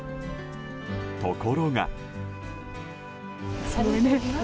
ところが。